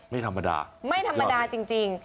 ไม่ธรรมดาไม่ธรรมดาจริง